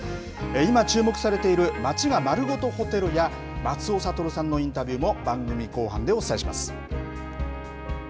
今、注目されている町がまるごとホテルや、松尾諭さんのインタビューも番組後半でお伝えします。